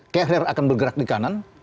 kehrir akan bergerak di kanan